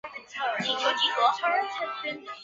仍然维持五人的组合。